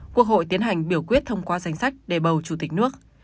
quốc hội tiến hành biểu quyết thông qua danh sách để bầu chủ tịch nước